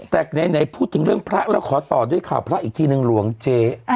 แต่ไหนพูดถึงเรื่องพระแล้วขอต่อด้วยข่าวพระอีกทีหนึ่งหลวงเจ๊